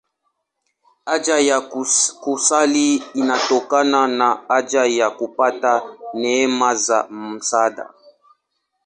Haja ya kusali inatokana na haja ya kupata neema za msaada.